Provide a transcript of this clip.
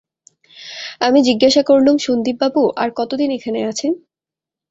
আমি জিজ্ঞাসা করলুম, সন্দীপবাবু আর কতদিন এখানে আছেন?